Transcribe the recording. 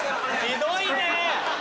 ひどいね！